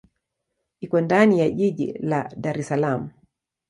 Iko ndani ya jiji la Dar es Salaam.